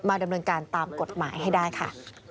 ดำเนินการตามกฎหมายให้ได้ค่ะ